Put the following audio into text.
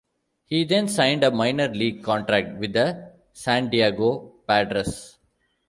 He then signed a minor league contract with the San Diego Padres.